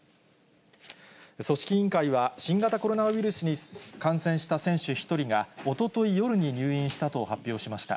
組織委員会は、新型コロナウイルスに感染した選手１人が、おととい夜に入院したと発表しました。